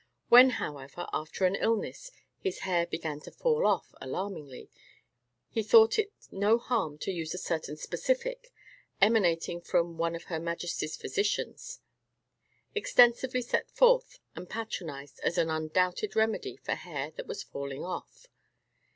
When, however, after an illness, his hair began to fall off alarmingly, he thought it no harm to use a certain specific, emanating from one of her Majesty's physicians; extensively set forth and patronized as an undoubted remedy for hair that was falling off.